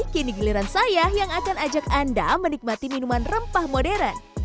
kini giliran saya yang akan ajak anda menikmati minuman rempah modern